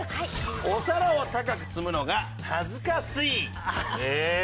「お皿を高く積むのが恥ずかしい」。